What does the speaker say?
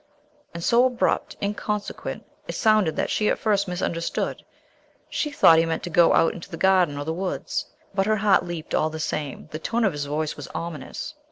And so abrupt, inconsequent, it sounded that she at first misunderstood. She thought he meant to go out into the garden or the woods. But her heart leaped all the same. The tone of his voice was ominous.